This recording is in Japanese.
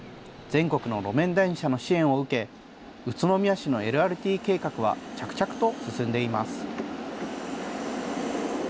全国の路面電車の支援を受け、宇都宮市のＬＲＴ計画は、着々と進んでいます。